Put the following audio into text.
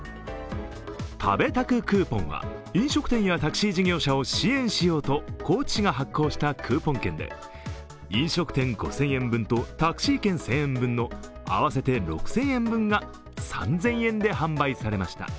食べタククーポンは飲食店やタクシー事業者を支援しようと高知市が発行したクーポン券で飲食店５０００円分とタクシー券１０００円分の合わせて６０００円分が３０００円で販売されました。